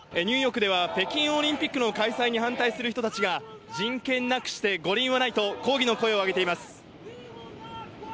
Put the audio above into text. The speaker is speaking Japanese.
ニューヨークでは、北京オリンピックの開催に反対する人たちが、人権なくして五輪はないと、抗議の声を上げています。